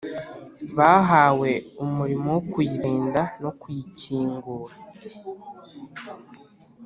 Bahawe umurimo wo kuyirinda no kuyikingura